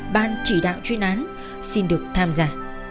ban chỉ đạo chuyên án xin được tham gia